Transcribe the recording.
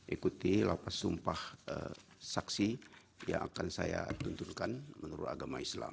ikuti lapas sumpah saksi yang akan saya tunturkan menurut agama islam